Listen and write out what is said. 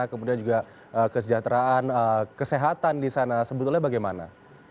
kemudian juga kesejahteraan kesehatan di sana sebetulnya bagaimana